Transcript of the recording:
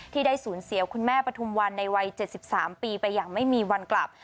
ที่ได้สูญเสียคุณแม่ปฐุมวันในวัย๗๓ปีไปอย่างไม่มีวันกลับ